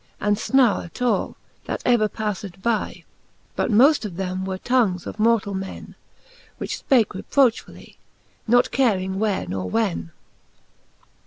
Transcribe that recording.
And fnar at all, that ever pafTed by : But moft of them were tongues of mortall men, Which fpake reprochfully, not caring where nor when.